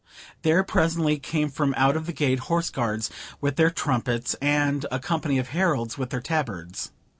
There presently came from out of the gate Horse Guards with their trumpets, and a company of heralds with their tabards.